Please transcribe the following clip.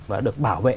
và được bảo vệ